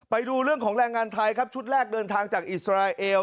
ไปดูเรื่องของแรงงานไทยครับชุดแรกเดินทางจากอิสราเอล